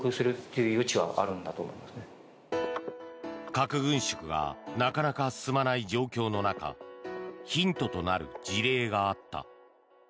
核軍縮がなかなか進まない状況の中ヒントとなる事例があった。